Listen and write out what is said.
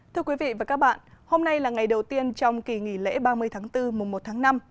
thưa quý vị và các bạn hôm nay là ngày đầu tiên trong kỳ nghỉ lễ ba mươi tháng bốn mùa một tháng năm